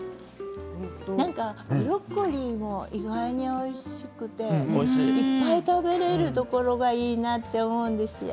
ブロッコリーも意外においしくていっぱい食べられるところがいいなって思うんですよ。